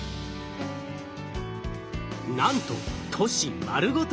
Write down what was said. なんと都市丸ごと